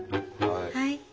はい。